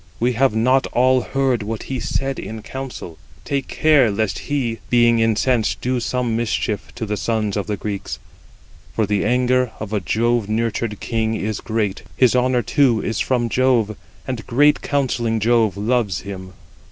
We have not all heard what he said in council. Take care lest he, being incensed, do some mischief to the sons of the Greeks. For the anger of a Jove nurtured king is great; his honour too is from Jove, and great counselling Jove loves him."